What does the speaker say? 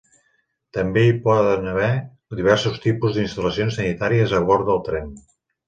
També hi poden haver diversos tipus d'instal·lacions sanitàries a bord del tren.